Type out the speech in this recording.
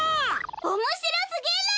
おもしろすぎる！